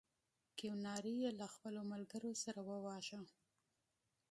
کیوناري یې له خپلو ملګرو سره وواژه.